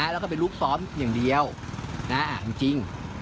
แล้วก็เป็นลูกซ้อมอย่างเดียวจริง